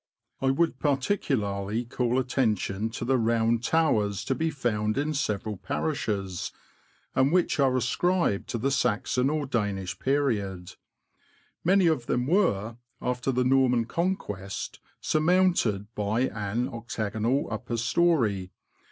I would particularly call attention to the Round Towers to be found in several parishes, and which are ascribed to the Saxon or Danish period : many of them were, after the Norman Conquest, sur mounted by an octagonal upper storey.